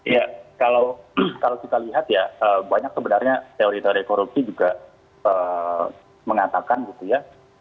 ya kalau kita lihat ya banyak sebenarnya teori teori korupsi juga mengatakan gitu ya